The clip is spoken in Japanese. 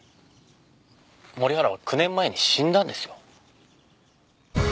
森原は９年前に死んだんですよ。